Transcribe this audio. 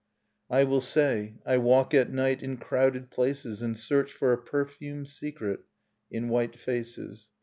I will say : I walk at night in crowded places And search for a perfumed secret in white faces.